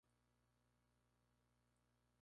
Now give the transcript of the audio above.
Marshall Radar Observatory" en honor a su fundador.